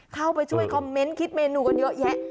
เข้าไปช่วยคอมเมนต์คิดเมนูกันเยอะแยะ